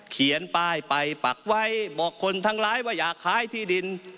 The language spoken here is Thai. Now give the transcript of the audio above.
เขียนป้ายไปปักไว้บอกคนทั้งร้ายว่าอยากขายที่ดิน